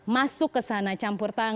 masuk ke sana campur tangan